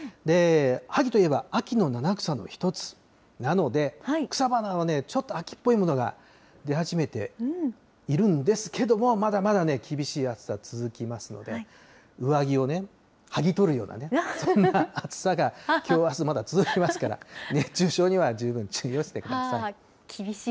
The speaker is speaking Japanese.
萩といえば、秋の七草の一つなので、草花はちょっと秋っぽいものが出始めているんですけども、まだまだね、厳しい暑さ続きますので、上着をはぎ取るようなね、そんな暑さが、きょう、あす、まだ続きますから、熱中症には十分注意をしてください。